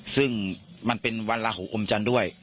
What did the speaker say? ซึ่งมันเป็นวันลาหูอมจันทร์ด้วย